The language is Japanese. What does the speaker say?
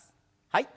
はい。